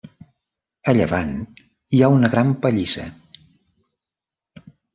A llevant hi ha una gran pallissa.